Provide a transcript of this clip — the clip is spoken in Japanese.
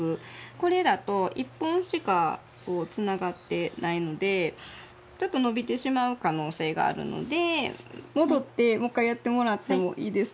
これだと１本しかつながってないのでちょっと伸びてしまう可能性があるので戻ってもう一回やってもらってもいいですか？